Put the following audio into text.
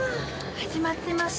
始まってます。